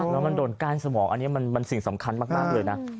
แล้วมันโดนก้านสมองอันนี้มันสิ่งสำคัญมากเลยนะ